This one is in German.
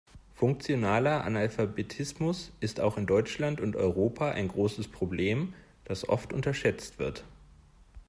Funktionaler Analphabetismus ist auch in Deutschland und Europa ein großes Problem, das oft unterschätzt wird.